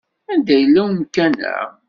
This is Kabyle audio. Anda yella umkan-a?